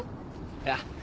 いや。